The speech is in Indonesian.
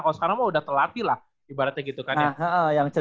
kalau sekarang mah udah terlatih lah ibaratnya gitu kan ya